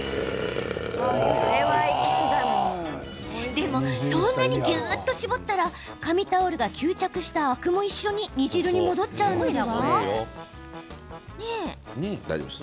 でも、そんなにぎゅっと絞ったら紙タオルが吸着したアクも一緒に煮汁に戻っちゃうのでは？